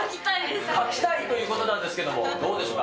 描きたいということなんですけども、どうですか？